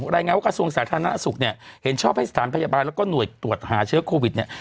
รายงานว่ากระทรวงสาธารณสุขเนี่ยเห็นชอบให้สถานพยาบาลแล้วก็หน่วยตรวจหาเชื้อโควิดเนี่ย